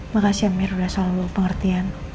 makasih amir udah selalu pengertian